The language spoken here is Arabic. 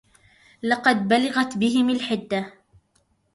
لقد بلغت بهم الحده